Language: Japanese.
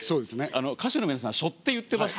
歌手の皆さん背負って言ってましたもんね。